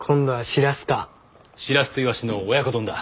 しらすといわしの親子丼だ。